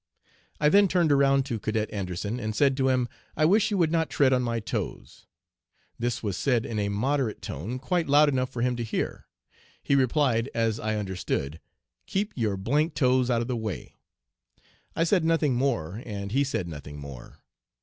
I then turned around to Cadet Anderson, and said to him, "I wish you would not tread on my toes." This was said in a moderate tone, quite loud enough for him to hear. He replied, as I understood, " Keep your d d toes out of the way." I said nothing more, and he said nothing more.